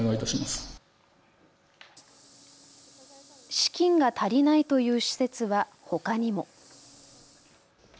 資金が足りないという施設はほかにも。